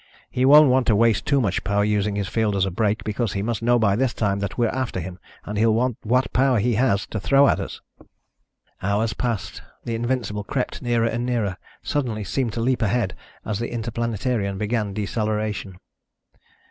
He won't want to waste too much power using his field as a brake, because he must know by this time that we're after him and he'll want what power he has to throw at us." Hours passed. The Invincible crept nearer and nearer, suddenly seemed to leap ahead as the Interplanetarian began deceleration.